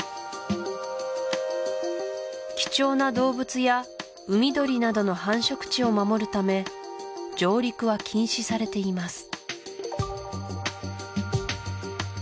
貴重な動物や海鳥などの繁殖地を守るため上陸は禁止されています